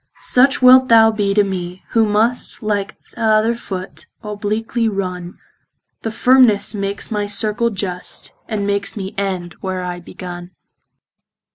Such wilt thou be to mee, who must Like th' other foot, obliquely runne; Thy firmnes drawes my circle just, And makes me end, where I begunne.